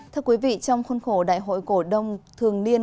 thưa quý vị trong khuôn khổ đại hội cổ đông thường niên